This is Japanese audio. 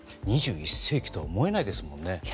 ２１世紀とは思えないですもんね。